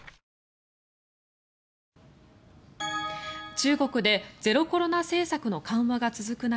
中国でゼロコロナ政策の緩和が続く中